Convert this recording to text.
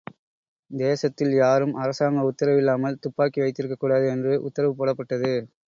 தேசத்தில் யாரும் அரசாங்க உத்தரவில்லாமல் துப்பாக்கி வைத்திருக்கக்கூடாது என்று உத்தரவு போடப்பட்டது.